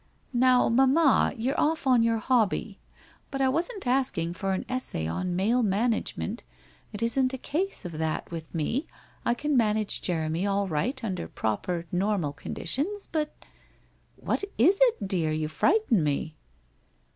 ' Now, mamma, you're off on your hobby, but I wasn't asking for an essay on Male Management, it isn't a case of that with me, I can manage Jeremy all right under proper normal conditions, but !'' What is it, dear ? You frighten me.'